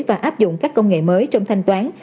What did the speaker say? và áp dụng các công nghệ mới trong thanh toán